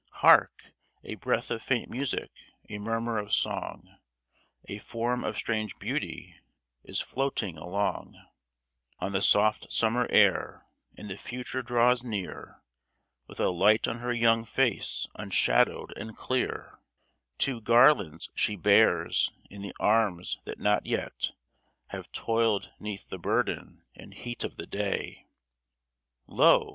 Hark ! a breath of faint music, a murmur of song ! A form of strange beauty is floating along On the soft summer air, and the Future draws near. With a light on her young face, unshadowed and clear. Two garlands she bears in the arms that not yet Have toiled 'neath the burden and heat of the day ; Lo